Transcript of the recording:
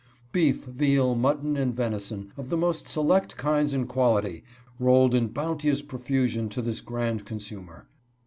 Beef, real, mutton, and venison, of the most select kinds and quality, rolled in bounteous profusion to this grand consumer.